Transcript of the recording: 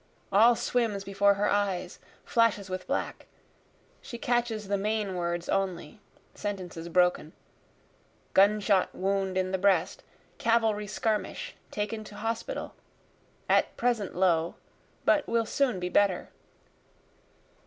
All swims before her eyes, flashes with black, she catches the main words only, Sentences broken, gunshot wound in the breast, cavalry skirmish, taken to hospital, At present low, but will soon be better.